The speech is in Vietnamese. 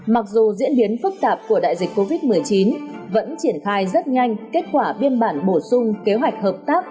mặc dù diễn biến phức tạp của đại dịch covid một mươi chín vẫn triển khai rất nhanh kết quả biên bản bổ sung kế hoạch hợp tác